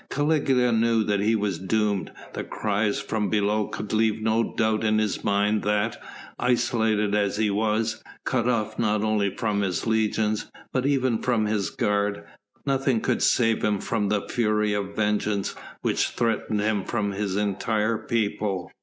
Caligula knew that he was doomed, the cries from below could leave no doubt in his mind that, isolated as he was, cut off not only from his legions but even from his guard, nothing could save him from the fury of vengeance which threatened him from his entire people.